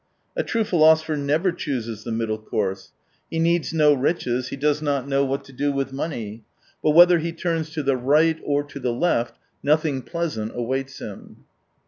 A true philosopher never chooses the middle course ; 38 he needs no riches, he does not know what to do with money. But whether he turns to the right or to the left, nothing pleasant awaits him.